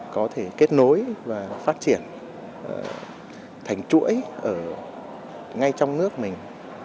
có thể kết nối và phát triển thành chuỗi ở ngay trong nước mình